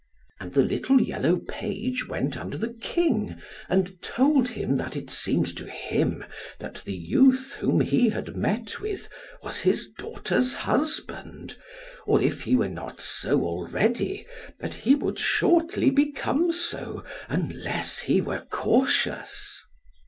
And the little yellow page went unto the King, and told him that it seemed to him that the youth whom he had met with was his daughter's husband, or if he were not so already, that he would shortly become so, unless he were cautious.